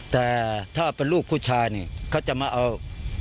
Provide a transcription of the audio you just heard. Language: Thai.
แต่ถ้าเป็นลูกผู้ชายนี่เขาจะมาเอา